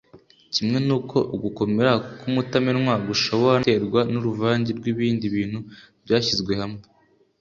kimwe n’uko ugukomera k’umutamenwa gushobora no guterwa n’uruvange rw’ibindi bintu byashyizwe hamwe